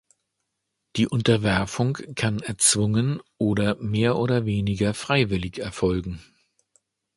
Die Unterwerfung kann erzwungen oder mehr oder weniger freiwillig erfolgen.